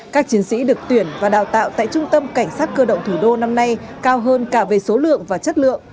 các chiến sĩ được tuyển và đào tạo tại trung tâm cảnh sát cơ động thủ đô năm nay cao hơn cả về số lượng và chất lượng